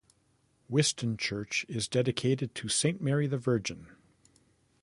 Whiston Church is dedicated to Saint Mary the Virgin.